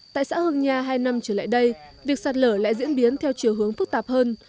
tại xã hương nha hai năm trở lại đây việc sạt lở lại diễn biến theo chiều hướng phức tạp hơn